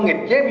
đã thông qua